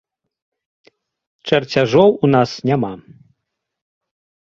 Чарцяжоў у нас няма.